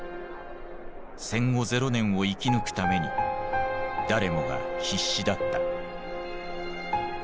戦後ゼロ年を生き抜くために誰もが必死だった。